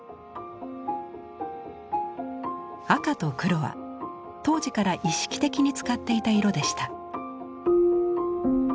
赤と黒は当時から意識的に使っていた色でした。